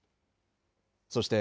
そして、